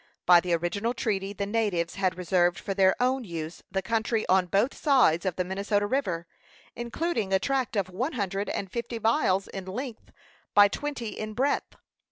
By the original treaty the natives had reserved for their own use the country on both sides of the Minnesota River, including a tract one hundred and fifty miles in length by twenty in breadth.